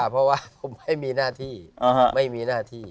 เพราะว่าผมไม่มีหน้าที่ไม่มีหน้าที่